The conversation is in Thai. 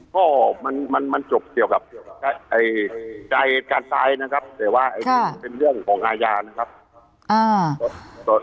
ก็มันจบเกี่ยวกับใจการตายนะครับแต่ว่าเป็นเรื่องของอาญานะครับ